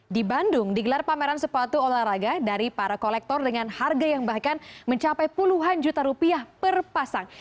di bandung digelar pameran sepatu olahraga dari para kolektor dengan harga yang bahkan mencapai puluhan juta rupiah per pasang